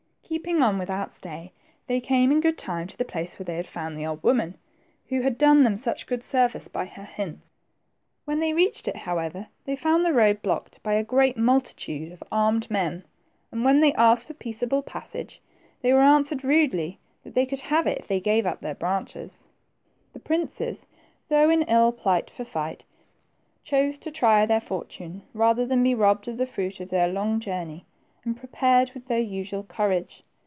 Keeping on without stay, they came in good time to the place where they had found the old woman who had done them such good service by her hints. When they reached it, however, they found the road blocked by a great multitude of armed men, and when they asked for peaceable passage, they were answered rudely, they could have it if they gave up their branches. THE TWO PRINCES. 95 The princes, though in ill plight for fight, chose to try their fortune rather than be robbed of the fruit of their long journey, and prepared with their usual courage.